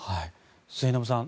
末延さん